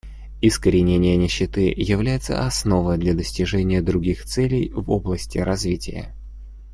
Искоренение нищеты является основой для достижения других целей в области развития.